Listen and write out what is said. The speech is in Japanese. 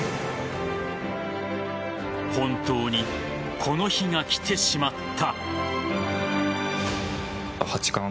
本当に、この日が来てしまった。